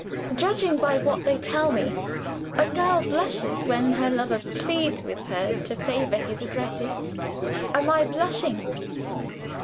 Judging by what they tell me, a girl blushes when her lover pleads with her to favor his addresses. Am I blushing?"